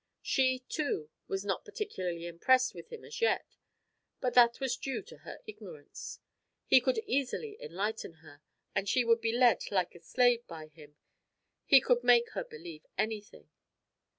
She, too, was not particularly impressed with him as yet, but that was due to her ignorance. He could easily enlighten her, and she would be led like a slave by him; he could make her believe anything.